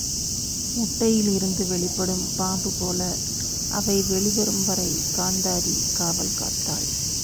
முட்டையில் இருந்து வெளிப்படும் பாம்பு போல அவை வெளிவரும் வரை காந்தாரி காவல் காத்தாள்.